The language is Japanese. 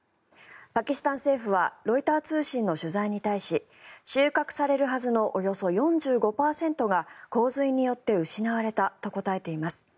パキスタン政府はロイター通信の取材に対し収穫されるはずのおよそ４５％が洪水によって失われたと答えています。